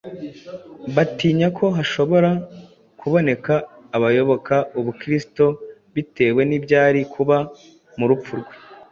batinye ko hashobora kuboneka abayoboka Ubukristo bitewe n’ibyari kuba mu rupfu rwe.